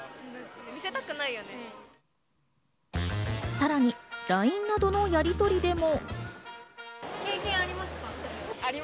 さらにＬＩＮＥなどのやりとりでも。